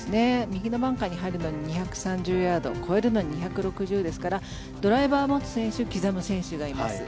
右のバンカーに入るのに２３０ヤード越えるのに２６０ですからドライバーを持つ選手刻む選手がいます。